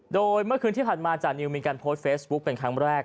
โดยเมื่อคืนที่ผ่านมาจานิวมีการโพสต์เฟซบุ๊คเป็นครั้งแรก